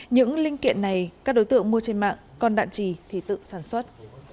những linh kiện này các đối tượng mua trên mạng còn đạn trì thì tự sản xuất